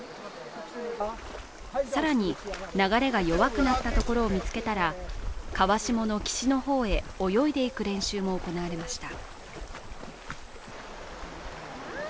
更に、流れが弱くなったところを見つけたら川下の岸の方へ泳いでいく練習も行われました。